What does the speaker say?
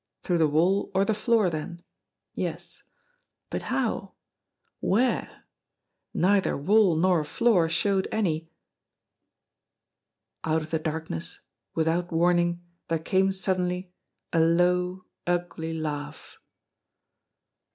Through the wall or the floor then ? Yes. But how ? Where r i\eitner wan nor noor snowed any Out of the darkness, without warning, there came sud denly a low, ugly laugh.